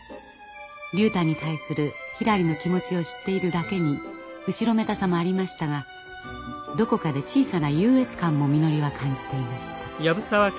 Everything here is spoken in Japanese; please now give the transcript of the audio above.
竜太に対するひらりの気持ちを知っているだけに後ろめたさもありましたがどこかで小さな優越感もみのりは感じていました。